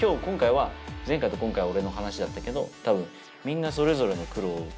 今回は前回と今回は俺の話だったけどたぶんみんなそれぞれの苦労。